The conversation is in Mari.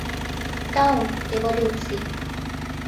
Тау, Революций!